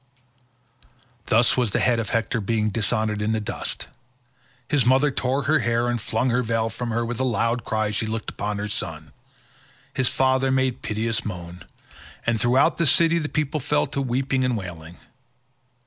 Thus was the head of Hector being dishonoured in the dust. His mother tore her hair, and flung her veil from her with a loud cry as she looked upon her son. His father made piteous moan, and throughout the city the people fell to weeping and wailing.